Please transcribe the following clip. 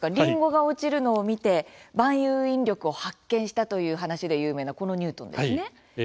りんごが落ちるのを見て万有引力を発見したという話で有名なこのニュートンですね？